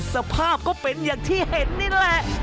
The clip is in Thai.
สภาพก็เป็นอย่างที่เห็นนี่แหละ